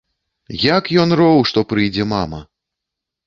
Як ён роў, што прыйдзе мама!